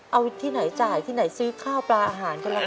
เอาที่ไหนจ่ายที่ไหนซื้อข้าวปลาอาหารกันละกัน